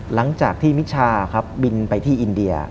หลังจากที่มิชาครับบินไปที่อินเดีย